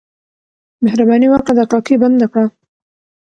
مهرباني وکړه دا کړکۍ بنده کړه.